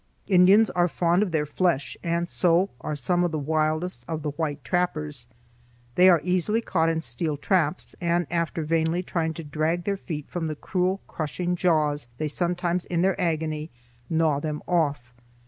Indians are fond of their flesh, and so are some of the wildest of the white trappers. They are easily caught in steel traps, and after vainly trying to drag their feet from the cruel crushing jaws, they sometimes in their agony gnaw them off.